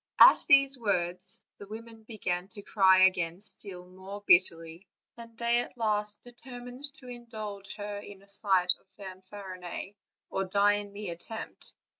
At these words all the women began to cry again still OLD, OLD FAIRY TALES. 33? more bitterly; and they at last determined to indulge her in a sight of Fanarinet, or die in the attempt.